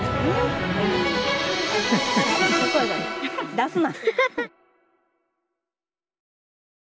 出すな！